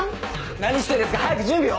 何してんですか早く準備を！